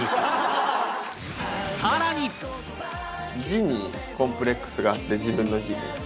字にコンプレックスがあって自分の字に。